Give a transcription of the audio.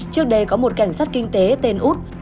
trước đây có một cảnh sát kinh tế tên út